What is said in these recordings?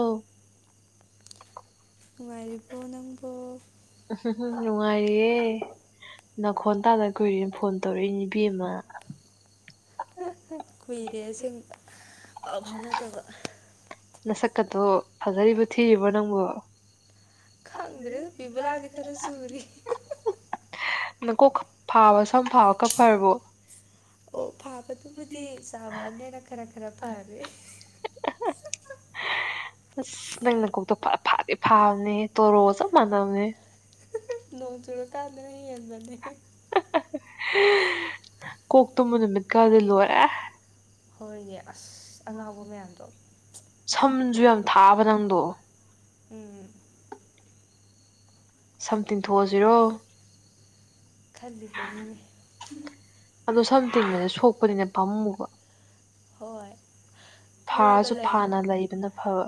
ꯑꯣ ꯅꯨꯡꯉꯥꯏꯔꯤꯕꯣ ꯅꯪꯕꯣ [unintelligible] ꯅꯨꯡꯉꯥꯏꯔꯤꯌꯦ ꯅꯈꯣꯟ ꯇꯥꯗ ꯀꯨꯏꯔꯦꯅ ꯐꯣꯟ ꯇꯧꯔꯛꯏꯅꯤ ꯏꯕꯦꯝꯃ [unintelligible] ꯀꯨꯏꯔꯦ ꯑꯁꯦꯡꯕ ꯄꯥꯎ ꯐꯥꯎꯅꯗꯕ ꯅꯁꯛꯀꯗꯣ ꯐꯖꯔꯤꯕ ꯊꯤꯔꯤꯕꯣ ꯅꯪꯕꯣ ꯈꯪꯗ꯭ꯔꯦ ꯕꯤꯕꯨꯂꯥꯗꯤ ꯈꯔ ꯆꯨꯔꯤ ꯅꯪꯀꯣꯛ ꯐꯥꯕ ꯁꯝ ꯐꯥꯕ ꯈꯔ ꯐꯔꯕꫭ ꯑꯣ ꯐꯥꯕꯗꯨꯕꯨꯗꯤ ꯆꯥꯎꯔꯛꯑꯅꯦꯅ ꯈꯔ ꯈꯔ ꯐꯥꯔꯦ UNINTELLIGIBLE ꯑꯁ ꯅꯪꯅ ꯀꯣꯛꯇꯣ ꯐꯥꯗꯤ ꯐꯥꯕꯅꯦ ꯇꯣꯔꯣ ꯆꯞ ꯃꯥꯟꯅꯕꯅꯦ ꯅꯣꯡ ꯆꯨꯔ ꯀꯥꯟꯗꯅ ꯍꯦꯟꯕꯅꯦ [unintelligible] ꯀꯣꯛ ꯇꯨꯝꯕ ꯅꯨꯃꯤꯠꯀꯗꯤ ꯂꯣꯏꯔꯦ ꯍꯣꯏꯅꯦ ꯑꯁ ꯑꯉꯥꯎꯕ ꯃꯌꯥꯝꯗꯣ ꯁꯝꯁꯨ ꯌꯥꯝ ꯊꯥꯕ ꯅꯪꯗꯣ ꯎꯝ ꯁꯝ ꯇꯤꯡꯊꯣꯛ ꯑꯁꯤꯔꯣ ꯈꯜꯂꯤꯕꯅꯤꯅꯦ ꯑꯗꯣ ꯁꯝ ꯇꯤꯡꯕꯗ ꯁꯣꯛꯄꯅꯤꯅ ꯄꯥꯝꯃꯨꯕ ꯍꯣꯏ ꯈꯔꯒ ꯐꯥꯁꯨ ꯂꯩꯔ ꯐꯥꯅ ꯂꯩꯕꯅ ꯐꯕ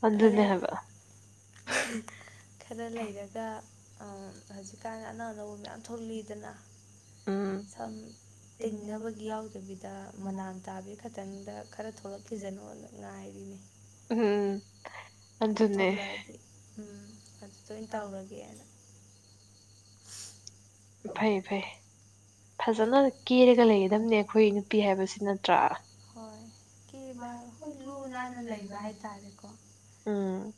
ꯎꯝ ꯈꯔ ꯈꯔ ꯂꯩꯔꯒ ꯍꯧꯖꯤꯛꯀꯥꯟꯅ ꯑꯅꯧ ꯑꯅꯧꯕ ꯃꯌꯥꯝ ꯊꯣꯛꯂꯤꯗꯅ ꯎꯝ ꯁꯝ ꯇꯤꯡꯅꯕꯒꯤ ꯌꯥꯎꯗꯕꯤꯗ ꯃꯅꯥꯡ ꯇꯥꯕꯤ ꯈꯇꯪꯗ ꯈꯔ ꯊꯣꯛꯂꯛꯈꯤꯖꯅꯣꯅ ꯉꯥꯏꯔꯤꯅꯤ ꯎꯝ ꯑꯗꯨ ꯑꯗꯨꯅꯦ ꯊꯣꯛꯂꯛꯑꯗꯤ ꯎꯝ ꯈꯥ ꯇꯣꯏꯅ ꯇꯧꯔꯒꯦꯅ ꯐꯩ ꯐꯩ ꯐꯖꯅ ꯀꯦꯔꯒ ꯂꯩꯒꯗꯝꯅꯦ ꯑꯩꯈꯣꯏ ꯅꯨꯄꯤ ꯍꯥꯏꯕꯁꯤ ꯅꯠꯇ꯭ꯔꯥ ꯍꯣꯏ ꯀꯦꯕꯥ ꯍꯣꯏ ꯂꯨ ꯅꯥꯟꯅ ꯂꯩꯕ ꯍꯥꯏꯇꯥꯔꯦꯀꯣ ꯎꯝ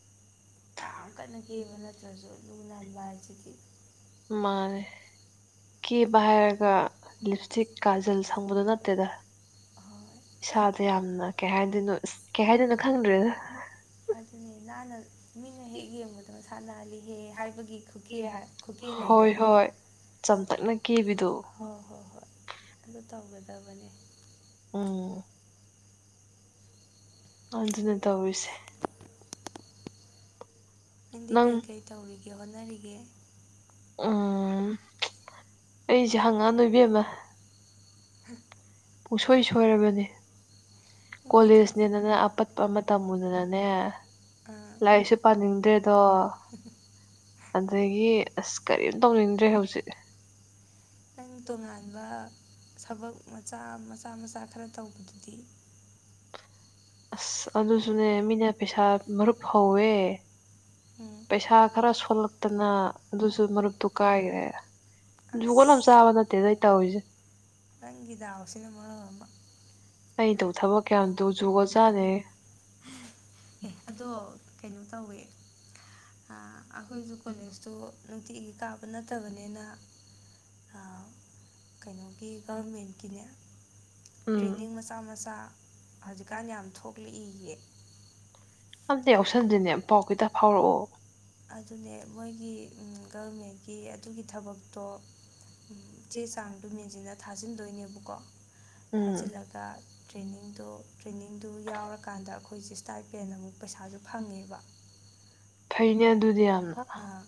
ꯌꯥꯝ ꯀꯟꯅ ꯀꯦꯕ ꯅꯠꯇ꯭ꯔꯖꯨ ꯂꯨ ꯅꯥꯟꯕ ꯍꯥꯏꯁꯤꯗꯤ ꯃꯥꯅꯦ ꯀꯦꯕ ꯍꯥꯏꯔꯒ ꯂꯤꯞꯁꯇꯤꯛ ꯀꯥꯖꯜ ꯁꯪꯕꯗꯣ ꯅꯠꯇꯦꯗ ꯍꯣ ꯏꯁꯥꯗꯣ ꯌꯥꯝꯅ ꯀꯩ ꯍꯥꯏꯗꯣꯏꯅꯣ ꯀꯩ ꯍꯥꯏꯗꯣꯏꯅꯣ ꯈꯪꯗ꯭ꯔꯦꯗ ꯑꯗꯨꯅꯤ ꯅꯥꯟꯅ ꯃꯤꯅ ꯍꯦꯛ ꯌꯦꯡꯕꯗ ꯃꯁꯥ ꯅꯥꯜꯂꯤꯍꯦ ꯍꯥꯏꯕꯒꯤ ꯈꯨꯀꯦ ꯈꯨꯀꯦ ꯍꯣꯏ ꯂꯩꯗꯅ ꯍꯣꯏ ꯆꯝꯇꯛꯅ ꯀꯦꯕꯤꯗꯣ ꯍꯣꯏ ꯍꯣꯏ ꯍꯣꯏ ꯑꯗꯨ ꯇꯧꯒꯗꯕꯅꯦ ꯎꯝ ꯍꯣ ꯑꯗꯨꯅ ꯇꯧꯔꯤꯁꯦ ꯑꯪꯗꯤ ꯅꯪ ꯀꯔꯤ ꯀꯔꯤ ꯇꯧꯔꯤꯒꯦ ꯍꯣꯠꯅꯔꯤꯒꯦ ꯎꯝ ꯑꯩꯖꯦ ꯍꯪꯉꯛꯑꯅꯨ ꯏꯕꯦꯝꯃ ꯄꯨꯡꯁꯣꯏ ꯁꯣꯏꯔꯕꯅꯤ ꯅꯪꯒꯤ ꯀꯣꯂꯦꯖꯅꯦꯅ ꯑꯄꯠ ꯑꯃ ꯊꯕꯛ? ꯇꯝꯃꯨꯗꯅꯅꯦ ꯑꯥ ꯂꯥꯏꯔꯤꯛꯁꯨ ꯄꯥꯅꯤꯡꯗ꯭ꯔꯦꯗꯣ ꯑꯗꯒꯤ ꯑꯁ ꯀꯔꯤꯝ ꯇꯧꯅꯤꯡꯗ꯭ꯔꯦ ꯍꯧꯖꯤꯛ ꯅꯪ ꯇꯣꯉꯥꯟꯕ ꯊꯕꯛ ꯃꯆꯥ ꯃꯆꯥ ꯃꯆꯥ ꯈꯔ ꯇꯧꯕꯗꯨꯗꯤ ꯑꯁ ꯑꯗꯨꯁꯨꯅꯦ ꯃꯤꯅ ꯄꯩꯁꯥ ꯃꯔꯨꯞ ꯍꯧꯋꯦ ꯎꯝ ꯄꯩꯁꯥ ꯈꯔ ꯁꯣꯜꯂꯛꯇꯅ ꯑꯗꯨꯖꯨ ꯃꯔꯨꯞꯇꯨ ꯀꯥꯏꯒ꯭ꯔꯦ ꯑꯁ ꯖꯨꯒꯣꯠ ꯑꯃ ꯆꯥꯕ ꯅꯠꯇꯦꯗ ꯑꯩ ꯇꯧꯔꯤꯁꯦ ꯅꯪꯒꯤ ꯗꯥꯎꯁꯤꯅ ꯃꯔꫭꯜ ꯑꯃ ꯑꯩꯇꯧ ꯊꯕꯛ ꯀꯌꯥꯝ ꯇꯨ ꯖꯨꯒꫭꯠ ꯆꯥꯅ‌ꯦꯒ‌ꯦ ꯑꯦ ꯑꯗꯣ ꯀꯩꯅꯣ ꯇꯧꯋꯦ ꯑꯩꯈꯣꯏꯖꯨ ꯀꯣꯂꯦꯖꯇꯨ ꯅꯨꯡꯇꯤꯒꯤ ꯀꯥꯕ ꯅꯠꯇꯕꯅꯤꯅ ꯑꯥ ꯀꯩꯅꯣꯒꯤ ꯒꯔꯃꯦꯟꯒꯤꯅꯦ ꯎꯝ ꯇ꯭ꯔꯦꯟꯅꯤꯡ ꯃꯆꯥ ꯃꯆꯥ ꯍꯧꯖꯤꯛꯀꯥꯟ ꯌꯥꯝ ꯊꯣꯛꯂꯛꯏꯌꯦ ꯑꯃꯇꯥ ꯌꯥꯎꯁꯟꯖꯤꯅꯦ ꯄꯥꯎ ꯈꯤꯇꯥ ꯐꯥꯎꯔꯛꯑꯣ ꯑꯗꯨꯅꯦ ꯃꯣꯏꯒꯤ ꯒꯔꯃꯦꯟꯒꯤ ꯑꯗꯨꯒꯤ ꯊꯕꯛꯇꯣ ꯆꯦ ꯆꯥꯡꯗꯣ ꯃꯦꯟꯖꯤꯜꯂ ꯊꯥꯖꯤꯟꯗꯣꯏꯅꯦꯕꯀꯣ ꯎꯝ ꯊꯥꯖꯤꯜꯂꯒ ꯇ꯭ꯔꯦꯅꯤꯡꯗꯣ ꯇ꯭ꯔꯦꯅꯤꯡꯗꯨ ꯌꯥꯎꯔꯀꯥꯟꯗ ꯑꯩꯈꯣꯏꯁꯦ ꯏꯁ꯭ꯇꯥꯏꯄꯦꯟ ꯑꯃꯨꯛ ꯄꯩꯁꯥꯖꯨ ꯐꯪꯉꯦꯕ ꯐꯩꯅꯦ ꯑꯗꯨꯗꯤ ꯌꯥꯝꯅ ꯑꯥ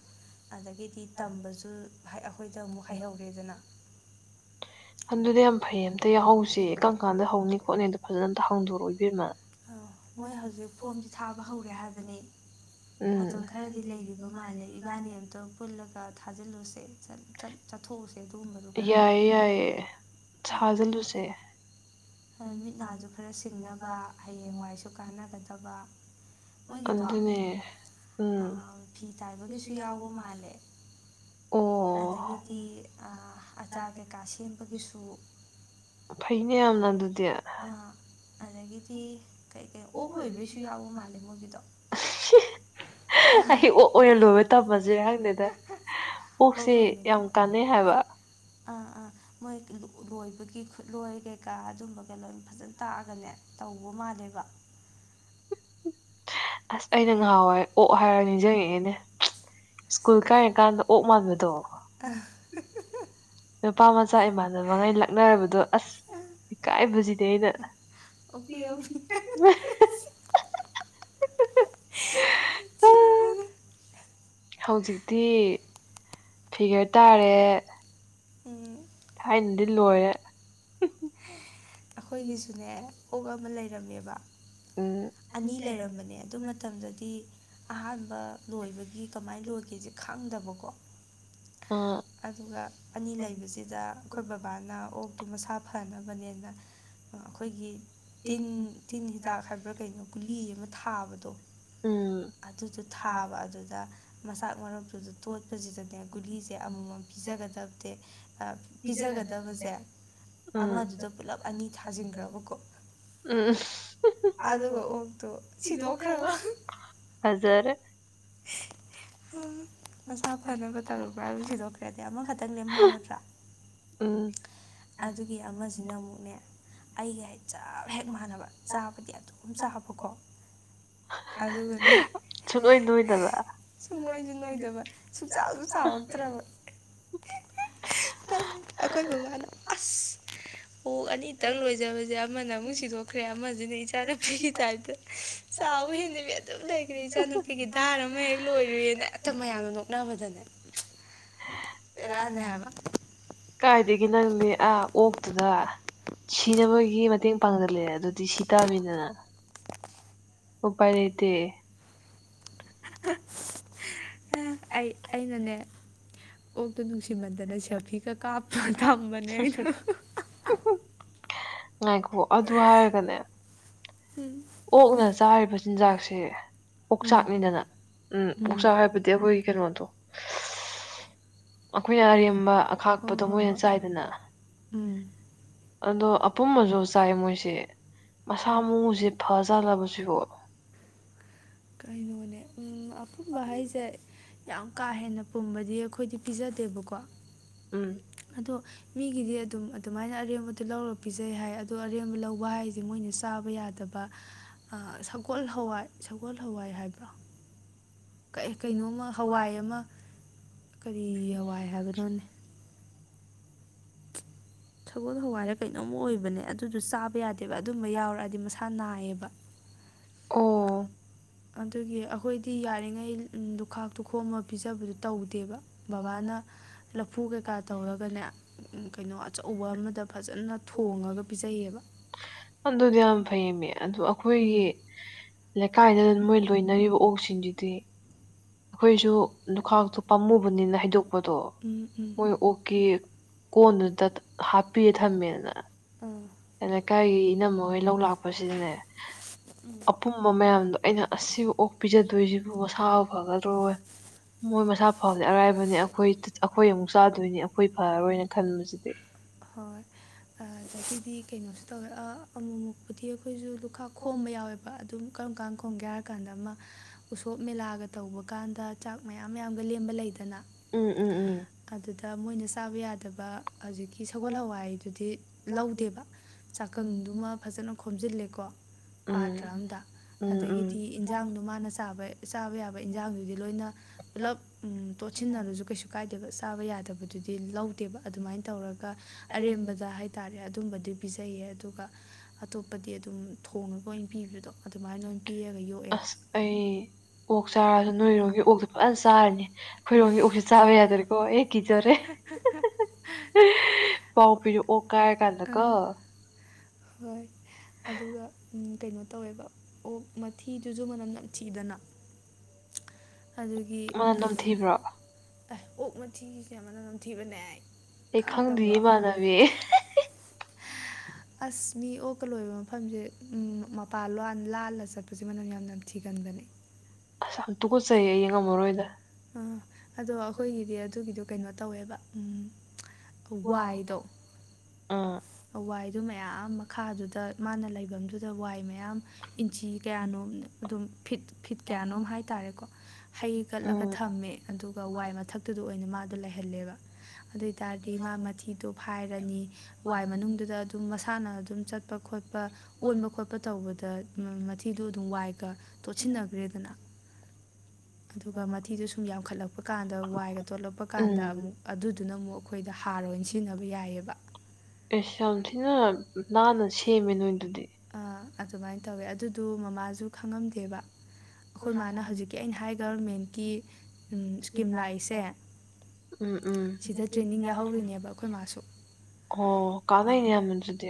ꯑꯗꯒꯤꯗꯤ ꯇꯝꯕꯖꯨ ꯑꯩꯈꯣꯏꯗ ꯑꯃꯨꯛ ꯍꯩꯍꯧꯔꯦꯗꯅ ꯍꯟꯗꯨꯗꯤ ꯌꯥꯝ ꯐꯩꯌꯦ ꯑꯝꯇ ꯌꯥꯎꯍꯧꯁꯦ ꯀꯔꯝ ꯀꯥꯟꯗ ꯍꯧꯅꯤ ꯈꯣꯠꯅꯤꯗꯣ ꯐꯖꯅ ꯑꯝꯇ ꯍꯪꯗꯣꯔꯛꯑꯣ ꯏꯕꯦꯝꯃ ꯑꯥ ꯃꯣꯏ ꯍꯧꯖꯤꯛ ꯐꯣꯝꯗꯤ ꯊꯥꯕ ꯍꯧꯔꯦ ꯍꯥꯏꯕꯅꯤ ꯎꯝ ꯃꯇꯝ ꯈꯔꯗꯤ ꯂꯩꯔꯤꯕ ꯃꯥꯜꯂꯦ ꯏꯕꯥꯅꯤ ꯑꯝꯇꯪ ꯄꯨꯜꯂꯒ ꯊꯥꯖꯤꯜꯂꯨꯁꯦ ꯆꯠ ꯆꯠ ꯆꯠꯊꯣꯛꯎꯁꯦ ꯑꯗꯨꯒꯨꯝꯕꯗꯣ ꯈꯔ ꯌꯥꯏꯌꯦ ꯌꯥꯏꯌꯦ ꯊꯖꯤꯜꯂꯨꯁꯦ ꯃꯤꯠ ꯅꯥꯖꯨ ꯈꯔ ꯁꯤꯡꯅꯕ ꯍꯌꯦꯡꯋꯥꯏꯁꯨ ꯀꯥꯟꯅꯒꯗꯕ ꯃꯣꯏꯒꯤꯗꯣ ꯑꯗꯨꯅꯦ ꯐꯤ ꯇꯥꯏꯕꯒꯤꯁꯨ ꯌꯥꯎꯕ ꯃꯥꯜꯂꯦ ꯑꯗꯒꯤꯗꯤ ꯑꯆꯥꯔ ꯀꯩꯀꯥ ꯁꯦꯝꯕꯒꯤꯁꯨ ꯐꯩꯅꯦ ꯌꯥꯝꯅ ꯑꯗꯨꯗꯤ ꯑꯥ ꯑꯗꯒꯤꯗꯤ ꯀꯩ ꯀꯩ ꯑꯣꯛ ꯂꯣꯏꯕꯩꯁꯨ ꯌꯥꯎꯕ ꯃꯥꯜꯂꯦ ꯃꯣꯏꯒꯤꯗꯣ ꯑꯩ ꯑꯣꯛ ꯑꯣꯏꯔ ꯂꯣꯏꯕ ꯇꯝꯃꯁꯦ ꯈꯪꯗꯦꯗ ꯑꯣꯛ ꯑꯣꯛꯁꯤ ꯂꯣꯏꯕꯒꯤ ꯌꯥꯝ ꯀꯥꯟꯅꯩ ꯍꯥꯏꯕ ꯑꯥ ꯑꯥ ꯃꯣꯏ ꯂꯣꯏꯕꯒꯤ ꯈꯨꯠ ꯂꯣꯏ ꯀꯦꯀꯥ ꯑꯗꯨꯝꯕꯒ ꯂꯣꯏꯅ ꯐꯖꯅ ꯇꯥꯛꯑꯒꯅꯦ ꯇꯧꯕ ꯃꯥꯜꯂꯦꯕ ꯑꯁ ꯑꯩꯅ ꯉꯍꯥꯎꯋꯦ ꯑꯣꯛ ꯍꯥꯏꯔꯒ ꯅꯤꯡꯁꯤꯡꯉꯛꯑꯦꯅꯦ ꯁ꯭ꯀꯨꯜ ꯀꯥꯏꯔꯀꯥꯟꯗ ꯑꯣꯛ ꯃꯥꯟꯕꯗꯣ ꯑ ꯅꯨꯄꯥ ꯃꯆꯥ ꯏꯃꯥꯟꯅꯕꯉꯩ ꯂꯛꯅꯔꯕꯗꯣ ꯑꯁ ꯏꯀꯥꯏ ꯕꯖꯤꯗꯨ ꯑꯩꯅ ꯑꯣꯄꯤ ꯑꯣ [unintelligible] ꯎ ꯆꯦꯜꯂꯒ ꯍꯧꯖꯤꯛꯇꯤ ꯐꯤꯒꯔ ꯇꯥꯔꯦ ꯎꯝ ꯊꯥꯏꯅꯗꯤ ꯂꯣꯏꯔꯦ ꯑꯩꯈꯣꯏꯒꯤꯁꯨꯅꯦ ꯑꯣꯛ ꯑꯃ ꯂꯩꯔꯝꯃꯦꯕ ꯎꯝ ꯑꯅꯤ ꯂꯩꯔꯝꯕꯅꯦ ꯑꯗꯨ ꯃꯇꯝꯗꯗꯤ ꯑꯍꯥꯟꯕ ꯂꯣꯏꯕꯒꯤ ꯀꯃꯥꯏꯅ ꯂꯣꯏꯒꯦꯁꯦ ꯈꯪꯗꯕꯀꯣ ꯑꯥ ꯑꯗꯨꯒ ꯑꯅꯤ ꯂꯩꯕꯁꯤꯗ ꯑꯩꯈꯣꯏ ꯕꯕꯥꯅ ꯑꯣꯛꯇꯨ ꯃꯁꯥ ꯐꯅꯕꯅꯦꯅ ꯑꯩꯈꯣꯏꯒꯤ ꯇꯤꯟ ꯇꯤꯟ ꯍꯤꯗꯥꯛ ꯍꯥꯏꯕ꯭ꯔꯥ ꯀꯩꯅꯣ ꯀꯨꯂꯤ ꯑꯃ ꯊꯥꯕꯗꯣ ꯎꯝ ꯑꯗꯨꯗꯣ ꯊꯥꯕ ꯑꯗꯨꯗ ꯃꯆꯥꯛ ꯃꯔꯨꯞꯇꯨꯗ ꯇꯣꯠꯄꯁꯤꯗꯅꯦ ꯒꯨꯂꯤꯁꯦ ꯑꯃꯃꯝ ꯄꯤꯖꯒꯗꯕꯗꯤꯦ ꯄꯤꯖꯒꯗꯕꯁꯦ ꯎꯝ ꯑꯃꯗꯨꯗ ꯄꯨꯂꯞ ꯑꯅꯤ ꯊꯥꯖꯤꯟꯈ꯭ꯔꯕꯀꯣ ꯎꯝ ꯑꯗꯨꯒ ꯑꯣꯛꯇꯣ ꯁꯤꯗꯣꯛꯈ꯭ꯔꯕ ꯍꯖꯔ ꯃꯁꯥ ꯐꯅꯕ ꯇꯧꯔꯨꯕ꯭ꯔꯥ ꯊꯤꯗꯣꯛꯈ꯭ꯔꯦꯗꯤ ꯑꯃꯈꯛꯇꯪ ꯂꯦꯝꯍꯧꯒꯗ꯭ꯔꯥ ꯎ ꯑꯗꯨꯒꯤ ꯑꯃꯁꯤꯅ ꯑꯃꯨꯛꯅꯦ ꯑꯩꯒ ꯍꯥꯏ ꯆꯞ ꯍꯦꯛ ꯃꯥꯟꯅꯕ ꯆꯥꯕꯗꯤ ꯑꯗꯨꯝ ꯆꯥꯕꯀꯣ ꯑꯗꯨꯒꯗꯤ ꯁꯨꯡꯅꯣꯏ ꯅꯣꯏꯗꯕ ꯁꯨꯡꯂꯣꯏꯁꯨ ꯅꯣꯏꯗꯕ ꯁꯨꯡꯆꯥꯛꯁꯨ ꯆꯥꯎꯔꯛꯇ꯭ꯔꯕ ꯑꯩꯈꯣꯏ ꯕꯕꯥꯅ ꯑꯁ ꯄꯣꯛ ꯑꯅꯤꯇꯪ ꯂꯣꯏꯖꯕꯁꯦ ꯑꯃꯅ ꯑꯃꯨꯛ ꯁꯤꯗꯣꯛꯈ꯭ꯔꯦ ꯑꯃꯁꯨꯅꯦ ꯏꯆꯥꯗ ꯐ ꯆꯥꯏꯗ ꯆꯥꯎꯕ ꯍꯦꯟꯟꯅꯕꯤ ꯑꯗꯨꯝ ꯂꯩꯈ꯭ꯔꯦ ꯏꯆꯥꯅꯨꯄꯤꯒꯤ ꯙꯔ ꯑꯃ ꯍꯦꯛ ꯂꯣꯏꯔꯨꯏ ꯃꯌꯥꯝꯅ ꯅꯣꯛꯅꯕꯗꯅꯦ ꯍꯥ ꯕ‌ꯦꯔꯥꯅꯤ ꯍꯥꯏꯕ ꯀꯥꯏꯗꯒꯤ ꯅꯪꯅꯦ ꯑꯥ ꯑꯣꯛꯇꯨꯗ ꯁꯤꯅꯕꯒꯤ ꯃꯇꯦꯡ ꯄꯥꯡꯖꯜꯂꯑꯦ ꯑꯗꯨꯗꯤ ꯁꯤ ꯇꯥꯕꯃꯤꯗꯅ ꯎꯄꯥꯥꯏ ꯂꯩꯇ‌ꯦ ꯑꯩ ꯑꯩꯅꯅꯦ ꯀꯣꯛꯇꯣ ꯅꯨꯡꯁꯤꯃꯟꯗꯅ ꯁꯦꯜꯐꯤꯒ ꯀꯥꯞꯇꯨꯅ ꯊꯝꯕꯅꯦ ꯑꯩꯅ ꯉꯥꯏꯈꯣ ꯑꯗꯨ ꯍꯥꯏꯔꯒꯅꯦ ꯍꯝ ꯑꯣꯛꯅ ꯆꯥꯔꯤꯕ ꯆꯤꯟꯖꯥꯛꯁꯦ ꯎꯝ ꯑꯣꯛꯆꯥꯛꯅꯤꯗꯅ ꯎꯝ ꯑꫭꯛꯆꯥꯛ ꯍꯥꯏꯕꯗꯤ ꯑꯩꯈꯣꯏꯒꯤ ꯀꯩꯅꯣꯗꯣ ꯑꯩꯈꯣꯏꯅ ꯑꯔꯦꯝꯕ ꯍꯣꯏ ꯑꯈꯥꯛꯄꯗꯣ ꯍꯣꯏ ꯃꯣꯏꯅ ꯍꯣꯏ ꯆꯥꯏꯗꯅ ꯎꯝ ꯑꯗꯣ ꯑꯄꯨꯝꯕꯁꯨ ꯆꯥꯏ ꯃꯣꯏꯁꯦ ꯃꯁꯥ ꯃꯎꯁ‌ꯦ ꯐꯖꯜꯂꯕꯁꯤꯕꯨꯣ ꯀꯩꯅꯣꯅꯦ ꯎꯝ ꯑꯄꯨꯝꯕ ꯍꯥꯏꯁꯦ ꯌꯥꯝ ꯀꯥ ꯍꯦꯟꯅ ꯄꯨꯝꯕꯗꯤ ꯑꯩꯈꯣꯏꯗꯤ ꯄꯤꯖꯗꯦꯕꯀꯣ ꯎꯝ ꯑꯗꯣ ꯃꯤꯒꯤꯗꯤ ꯑꯗꯨꯝ ꯑꯗꯨꯃꯥꯏꯅ ꯑꯔꯦꯝꯕꯗꯣ ꯂꯧꯔꯒ ꯄꯤꯖꯩ ꯍꯥꯏ ꯑꯗꯣ ꯑꯔꯦꯝꯕ ꯂꯧꯕ ꯍꯥꯏꯁꯦ ꯃꯣꯏꯅ ꯆꯥꯕ ꯌꯥꯗꯕ [inaudible] ꯁꯒꯣꯜ ꯍꯋꯥꯏ ꯁꯒꯣꯜ ꯍꯋꯥꯏ ꯍꯥꯏꯕ꯭ꯔꯣ ꯀꯩꯅꯣꯝꯃ ꯍꯋꯥꯏ ꯑꯃ ꯀꯔꯤ ꯍꯋꯥꯏ ꯍꯥꯏꯒꯅꯣꯅꯦ ꯁꯒꯣꯜ ꯍꯋꯥꯏꯔ ꯀꯩꯅꯣꯝ ꯑꯣꯏꯕꯅꯦ ꯑꯗꯨꯗꯨ ꯆꯥꯕ ꯌꯥꯗꯦꯕ ꯑꯗꯨꯝꯕ ꯌꯥꯎꯔꯛꯑꯗꯤ ꯃꯁꯥ ꯅꯥꯏꯌꯦꯕ ꯑꯣ ꯑꯗꯨꯒꯤ ꯑꯩꯈꯣꯏꯗꯤ ꯌꯥꯔꯤꯉꯩ ꯗꯨꯈꯥꯛꯇꯨ ꯈꯣꯝ ꯑꯃ ꯄꯤꯖꯕꯗꯨ ꯇꯧꯗꯦꯕ ꯕꯕꯥꯅ ꯂꯐꯨ ꯀꯩꯀꯥ ꯇꯧꯔꯒꯅꯦ ꯀꯩꯅꯣ ꯑꯆꯧꯕ ꯑꯃꯗ ꯐꯖꯅ ꯊꯣꯡꯉꯒ ꯄꯤꯖꯩꯌꯦꯕ ꯑꯗꯨꯗꯤ ꯌꯥꯝ ꯐꯩꯌꯦꯃꯤ ꯑꯗꯨ ꯑꯩꯈꯣꯏꯒꯤ ꯎꯝ ꯂꯩꯀꯥꯏꯗ ꯃꯣꯏ ꯂꯣꯏꯅꯔꯤꯕ ꯑꯣꯛꯁꯤꯡꯁꯤꯗꯤ ꯑꯩꯈꯣꯏꯁꯨ ꯂꯨꯈꯥꯛꯇꯣ ꯄꯥꯝꯃꯨꯕꯅꯤꯅ ꯍꯥꯏꯩꯗꯣꯛꯄꯗꯣ ꯎꯝ ꯎꯝ ꯃꯣꯏ ꯑꯣꯀꯦ ꯀꯣꯟꯗꯨꯗ ꯍꯥꯞꯄꯤꯔ ꯊꯝꯃꯦꯅ ꯑꯥ ꯑ ꯂꯩꯀꯥꯏꯒꯤ ꯏꯅꯝꯃꯣꯏ ꯂꯧ ꯂꯥꯛꯄꯁꯤꯗꯅꯦ ꯑꯄꯨꯝꯕ ꯃꯌꯥꯝꯗꯣ ꯑꯩꯅ ꯑꯁꯤꯕꯨ ꯑꯣꯛ ꯄꯤꯖꯗꯣꯏꯁꯤꯕꯨ ꯃꯁꯥꯕꯨ ꯐꯒꯗ꯭ꯔꯣꯏ ꯃꯣꯏ ꯃꯁꯥ ꯐꯥꯎꯗꯤꯦ ꯑꯔꯥꯏꯕꯅꯤ ꯑꯩꯈꯣꯏ ꯑꯩꯈꯣꯏ ꯑꯃꯨꯛ ꯆꯥꯗꯣꯏꯅꯤ ꯑꯩꯈꯣꯏ ꯐꯔꯔꯣꯏꯅ ꯈꯟꯕꯁꯤꯗꯤ ꯍꯣꯏ ꯑꯗꯒꯤꯗꯤ ꯀꯩꯅꯣꯁꯨ ꯇꯧꯋꯦ ꯑꯃꯨꯛ ꯑꯃꯨꯛꯄꯨꯗꯤ ꯑꯩꯈꯣꯏꯁꯨ ꯂꯨꯈꯥꯛ ꯈꯣꯝꯕ ꯌꯥꯎꯋꯦꯕ ꯑꯗꯨꯝ ꯀꯔꯝ ꯀꯥꯟ ꯈꯣꯝꯒꯦ ꯍꯥꯏꯔ ꯀꯥꯟꯗ ꯑꯃ ꯎꯁꯣꯞ ꯃꯦꯂꯥꯒ ꯇꯧꯕ ꯀꯥꯟꯗ ꯆꯥꯛ ꯃꯌꯥꯝ ꯌꯥꯝꯒ ꯂꯦꯝꯕ ꯂꯩꯗ ꯗꯅ ꯎꯝ ꯎꯝ ꯎꯝ ꯑꯗꯨꯗ ꯃꯣꯏꯅ ꯆꯥꯕ ꯌꯥꯗꯕ ꯍꯧꯖꯤꯛ ꯒꯤ ꯁꯒꯣꯜ ꯍꯋꯥꯏꯗꯨꯗꯤ ꯂꯧꯗꯦꯕ ꯆꯥꯛꯀꯪꯗꯨꯃ ꯐꯖꯅ ꯈꯣꯝꯖꯤꯜꯂꯦꯀꯣ ꯄꯥꯇ꯭ꯔꯥ ꯎꯝ ꯑꯝꯗ꯫ ꯎꯝ ꯎꯝ ꯑꯗꯒꯤꯗꯤ ꯏꯟꯖꯥꯡꯗꯣ ꯃꯥꯅ ꯆꯥꯕ ꯆꯥꯕ ꯌꯥꯕ ꯏꯟꯖꯥꯡꯗꯨꯗꯤ ꯂꯣꯏꯅ___ ꯄꯨꯂꯞ ꯎ ꯇꯣꯠꯁꯤꯟꯅꯔꯁꯨ ꯀꯩꯁꯨ__ ꯀꯥꯏꯗꯦꯕ ꯆꯥꯕ ꯌꯥꯗꯕꯗꯨꯗꯤ ꯂꯧꯗꯦꯕ ꯑꯗꯨꯃꯥꯏꯅ ꯇꯧꯔꯒ ꯑꯔꯦꯝꯕꯗ ꯍꯥꯏ__ ꯇꯥꯔꯦ ꯑꯗꯨꯝꯕꯗꯤ ꯄꯤꯖꯩꯌꯦ ꯑꯗꯨꯒ__ ꯑꯇꯣꯞꯄꯗꯤ ꯑꯗꯨꯝ ꯊꯣꯡꯉꯒ ꯑꯣꯏꯅ ꯄꯤꯕꯗꯣ ꯑꯗꯨꯃꯥꯏꯅ ꯑꯣꯏꯅ ꯄꯤꯔꯒ ꯌꯣꯛꯑꯦꯕ꯫ ꯑꯁ ꯑꯩ ꯑꯣꯛ ꯆꯥꯔꯁꯨ ꯅꯣꯏꯔꯣꯝꯒꯤ ꯑꯣꯛꯁ ꯐꯖꯅ ꯆꯥꯔꯅꯤ ꯑꯩꯈꯣꯏꯔꯣꯝꯒꯤ ꯑꯣꯛꯁꯤ ꯆꯥꯕ ꯌꯥꯗ꯭ꯔꯦꯀꯣ ꯑꯦ ꯀꯤꯖꯔꯦ꯫ ꯍ ꯍ [inaudible] ____ꯄꯥꯎ ꯄꯤꯔꯛꯑꯣ ꯀꯥꯏꯔꯥ ꯀꯥꯟꯗꯥ ꯀꯣ ꯫ ꯍꯣꯏ ꯑꯗꯨꯒ ꯀꯩꯅꯣ ꯇꯧꯋꯦꯕ ꯑꯣꯛ ꯃꯊꯤꯗꯨꯁꯨ ꯃꯅꯝ ꯅꯝꯊꯤꯗꯅ꯫ [inaudible] ꯑꯗꯨꯒꯤ ꯃꯅꯝ ꯀꯩꯅꯣ ꯅꯝꯊꯤꯕ꯭ꯔꯣ ꯑꯦ ꯑꯣꯛ ꯃꯊꯤ ꯀꯌꯥꯃꯅ ꯅꯝꯊꯤꯕꯅꯦ ꯑꯩ ꯑꯩ ꯈꯪꯗ ꯏꯃꯥꯟꯅꯕꯤ ꯑꯁ ꯃꯤ ꯑꯣꯛꯀ ꯂꯣꯏꯕ ꯃꯐꯝꯁꯦ ꯂꯥꯜꯂ ꯆꯠꯄꯁꯦ ꯃꯅꯝ ꯌꯥꯝ ꯅꯊꯤꯒꯟꯕꯅꯦ ꯑꯁꯥꯝꯇꯨꯀꯠꯆꯩ ꯑꯩꯉꯝꯃꯔꯣꯏꯗ ꯑꯥ ꯑꯗꯣ ꯑꯩꯈꯣꯏꯒꯤꯗꯤ ꯑꯗꯨꯒꯤꯗꯣ ꯀꯩꯅꯣ ꯇꯧꯋꯦꯕ ꯎꯝ ꯐꯋꯥꯏꯗꯣꯛ ꯎꯝ ꯋꯥꯏꯗꯨ ꯃꯌꯥꯝ ꯃꯈꯥꯗꯨꯗ ꯃꯥꯅ ꯂꯩꯐꯝꯗꯨꯗ ꯋꯥꯏ ꯃꯌꯥꯝ ꯏꯟꯆꯤ ꯀꯌꯥꯅꯣꯝ ꯑꯗꯨꯝ ꯐꯤꯠ ꯐꯤꯠ ꯀꯌꯥꯅꯣꯝ ꯍꯥꯏꯇꯥꯔꯦꯀꯣ ꯍꯩ ꯀꯠꯂꯒ ꯎꯝ ꯑꯦ ꯑꯗꯨꯒ ꯋꯥꯏ ꯃꯊꯛꯇꯨꯗ ꯑꯣꯏꯅ ꯃꯥꯗꯣ ꯂꯩꯍꯜꯂꯦꯕ ꯑꯗꯨ ꯑꯣꯏ ꯇꯔꯗꯤ ꯃꯥ ꯃꯊꯤꯗꯣ ꯐꯥꯏꯔꯅꯤ ꯋꯥꯏ ꯃꯅꯨꯡꯗꯨꯗ ꯑꯗꯨꯝ ꯃꯁꯥꯅ ꯑꯗꯨꯝ ꯆꯠꯄ ꯈꯣꯠꯄ ꯑꯣꯟꯕ ꯈꯣꯠꯄ ꯇꯧꯕꯗ ꯃꯊꯤꯗꯣ ꯑꯗꯨꯝ ꯋꯥꯏꯒ ꯇꯣꯠꯁꯤꯟꯅꯈ꯭ꯔꯦꯗꯅ ꯑꯗꯨꯒ ꯃꯊꯤꯗꯨ ꯁꯨꯝ ꯌꯥꯝꯈꯠꯂꯛꯄ ꯀꯥꯟꯗ ꯋꯥꯏꯒ ꯇꯣꯠꯂꯛꯄ ꯀꯥꯟꯗ ꯎꯝ ꯑꯃꯨꯛ ꯑꯗꯨꯗꯨꯅ ꯑꯃꯨꯛ___ ꯑꯩꯈꯣꯏꯗ ꯍꯥꯔ ꯑꯣꯏꯅ ꯁꯤꯖꯤꯟꯅꯕ ꯌꯥꯏꯌꯦꯕ꯫ ꯑꯦꯁ ꯌꯥꯝ ꯊꯤꯅ ꯅꯥꯟꯅ ꯁꯦꯝꯃꯦ ꯅꯣꯏꯗꯨꯗꯤ꯫ ꯑꯥ ꯑꯗꯨꯃꯥꯏꯅ ꯇꯧꯋꯦ ꯑꯗꯨꯗꯨ ꯃꯃꯥꯁꯨ ꯈꯪꯉꯝꯗꯦꯕ꯫ ꯑꯩꯈꯣꯏ ꯃꯥꯅ ꯍꯧꯖꯤꯛꯀꯤ ꯑꯩꯅ ꯍꯥꯏ ꯒꯕꯔꯟꯃꯦꯟꯀꯤ ꯎꯝ ꯁ꯭ꯀꯤꯝ ꯂꯥꯛꯏꯁꯦ꯫ ꯎꯝ ꯎꯝ ꯁꯤꯗ ꯇ꯭ꯔꯦꯅꯤꯡ ꯌꯥꯎꯍꯧꯔꯤꯅꯦꯕ ꯑꯩꯈꯣꯏ ꯃꯥꯁꯨ꯫ ꯑꯣ ꯑꯥ ꯀꯥꯅꯩꯅꯦ ꯌꯥꯝꯅꯑꯗꯨꯗꯤ꯫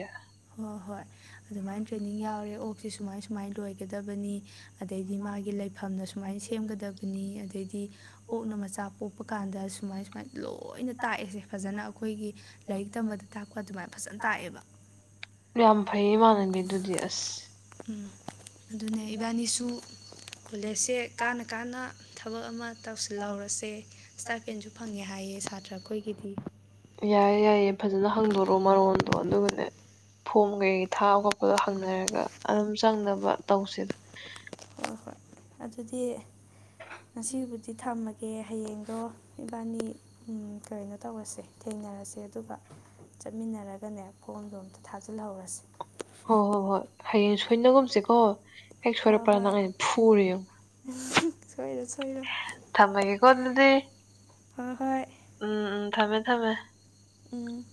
ꯍꯣꯏ ꯍꯣꯏ ꯑꯗꯨꯃꯥꯏꯅ ꯇ꯭ꯔꯦꯅꯤꯡ ꯌꯥꯎꯔꯦ ꯑꯣꯛꯁꯦ ꯁꯨꯃꯥꯏ ꯁꯨꯃꯥꯏꯅ ꯂꯣꯏꯒꯗꯕꯅꯤ꯫ ꯑꯗꯩꯗꯤ ꯃꯥꯒꯤ ꯂꯩꯐꯝꯅ ꯁꯨꯃꯥꯏꯅ ꯁꯦꯝꯒꯗꯕꯅꯤ ꯑꯗꯩꯗꯤ__ ꯑꯣꯛꯅ ꯃꯆꯥ ꯄꯣꯛꯄ ꯀꯥꯟꯗ ꯁꯨꯃꯥꯏ ꯁꯨꯃꯥꯏꯅ ꯂꯣꯏꯅ ꯇꯥꯛꯑꯁꯦ ꯐꯖꯅ ꯑꯩꯈꯣꯏꯒꯤ__ ꯂꯥꯏꯔꯤꯛ ꯇꯝꯕꯗ ꯇꯥꯛꯄ ꯑꯗꯨꯃꯥꯏꯅ ꯐꯖꯅ ꯇꯥꯛꯑꯦꯕ꯫ ꯌꯥꯝ ꯐꯩꯌꯦ ꯏꯃꯥꯟꯅꯕꯤ ꯑꯗꯨꯗꯤ ꯑꯁ꯫ ꯎꯝ ꯑꯗꯨꯅꯦ ꯏꯕꯥꯅꯤꯁꯨ ꯀꯣꯂꯦꯖꯁꯦ ꯀꯥꯟꯅ ꯀꯥꯟꯅ ꯊꯕꯛ ꯑꯃ ꯇꯧꯁꯤꯜꯍꯧꯔꯁꯦ ꯏꯁꯇꯥꯄꯦꯟꯁꯨ __ ꯐꯪꯉꯦ ꯍꯥꯏꯌꯦ ꯁꯥꯇ꯭ꯔ ꯑꯩꯈꯣꯏꯒꯤꯗꯤ꯫ ꯌꯥꯏꯌꯦ ꯌꯥꯏꯌꯦ ꯐꯖꯅ ꯍꯪꯗꯣꯔꯣ ꯃꯔꯣꯟꯗꯣ ꯑꯗꯨꯒꯅꯦ__ ꯐꯣꯝ ꯀꯩꯀꯩ ꯊꯥꯕ ꯈꯣꯠꯄꯗꯣ ꯍꯪꯅꯔꯒ ꯑꯗꯨꯝ ꯆꯪꯅꯕ ꯇꯧꯁꯤꯗ꯫ ꯍꯣꯏ ꯍꯣꯏ ꯑꯗꯨꯗꯤ ꯉꯁꯤꯕꯨ___ ꯍ ꯊꯝꯃꯒꯦ ꯍꯌꯦꯡꯗꯣ ꯏꯕꯥꯅꯤ__ ꯎꯝ ꯀꯩꯅꯣ ꯇꯧꯔꯁꯦ ꯊꯦꯡꯅꯔꯁꯦ ꯑꯗꯨꯒ꯫ ꯆꯠꯃꯤꯟꯅꯔꯒꯅꯦ ꯐꯣꯝꯗꯣ ꯑꯃꯝꯇ ꯊꯥꯖꯤꯜꯍꯧꯔꯁꯦ꯫ ꯍꯣ ꯍꯣꯏ ꯍꯣꯏ ꯍꯌꯦꯡ ꯁꯣꯏꯅꯒꯨꯝꯁꯤꯀꯣ꯫ ꯍꯦꯛ ꯍꯣꯏ ꯁꯣꯏꯔꯛꯄꯗ ꯍꯣꯏ ꯅꯪ ꯑꯩꯅ ꯐꯨꯔꯦ ꯌꯦꯡꯉꯨ꯫ ꯁꯣꯏꯔꯣꯏ ꯁꯣꯏꯔꯣꯏ ꯊꯝꯃꯒꯦꯀꯣ ꯑꯗꯨꯗꯤ ꯍꯣꯏ ꯍꯣꯏ ꯎꯝ ꯎꯝ ꯊꯝꯃꯦ ꯊꯝꯃꯦ ꯎꯝ